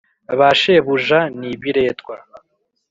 Ba shebuja n ibiretwa